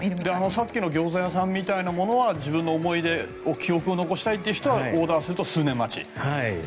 さっきのギョーザ屋さんみたいなものは自分の思い出とか記憶を残したいという人はオーダーすると数年待ち。